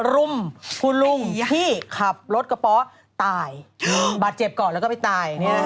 รุมคุณลุงที่ขับรถกระเป๋าตายบาดเจ็บก่อนแล้วก็ไปตาย